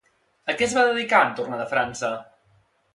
A què es va dedicar en tornar de França?